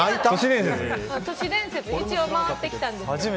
都市伝説が一応回ってきたんです。